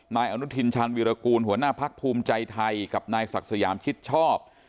นายอนุทินชาญวิรากูลหัวหน้าพักภูมิใจไทยกับนายศักดิ์สยามชิดชอบ